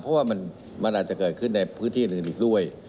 เพราะว่ามันอาจจะเกิดขึ้นในพื้นที่อื่นอีกด้วย